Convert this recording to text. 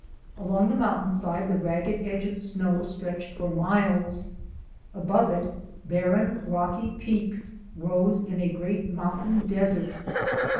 Along the mountainside the ragged edge of snow stretched for miles. Above it barren, rocky peaks rose in a great mountain desert.